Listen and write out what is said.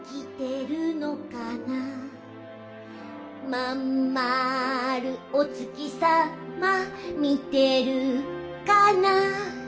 「まんまるお月さま見てるかな」